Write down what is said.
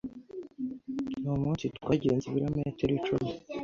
Uwo munsi twagenze ibirometero icumi.